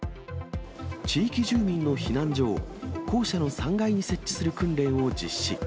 地域住民の避難所を、校舎の３階に設置する訓練を実施。